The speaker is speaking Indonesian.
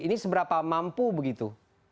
ini seberapa mampu begitu